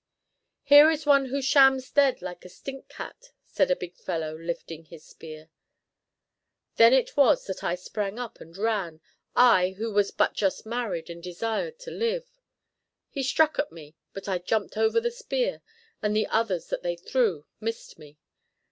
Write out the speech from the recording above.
"'Here is one who shams dead like a stink cat,' said a big fellow, lifting his spear. "Then it was that I sprang up and ran, I who was but just married and desired to live. He struck at me, but I jumped over the spear, and the others that they threw missed me.